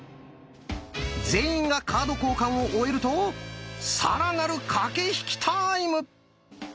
全員がカード交換を終えると更なる駆け引きタイム！